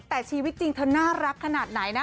แต่ชีวิตจริงเธอน่ารักขนาดไหนนะ